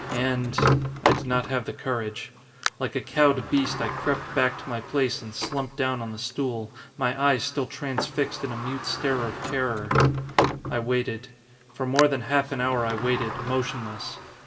And I did not have the courage. Like a cowed beast I crept back to my place and slumped down on the stool, my eyes still transfixed in a mute stare of terror. I waited. For more than half an hour I waited, motionless.